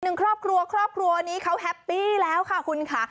หนึ่งครอบครัวครอบครัวนี้เขาแฮปปี้แล้วค่ะคุณค่ะ